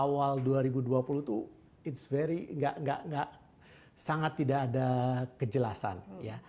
awal awal dua ribu dua puluh itu it's very tidak sangat tidak ada kejelasan ya